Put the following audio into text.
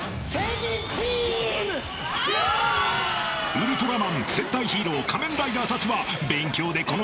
［ウルトラマン戦隊ヒーロー仮面ライダーたちは勉強でこの］